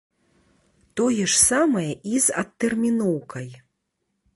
Тое ж самае і з адтэрміноўкай.